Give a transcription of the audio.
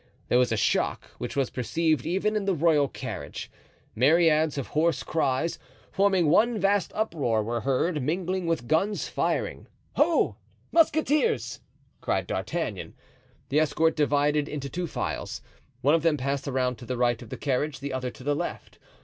There was a shock which was perceived even in the royal carriage. Myriads of hoarse cries, forming one vast uproar, were heard, mingled with guns firing. "Ho! Musketeers!" cried D'Artagnan. The escort divided into two files. One of them passed around to the right of the carriage, the other to the left.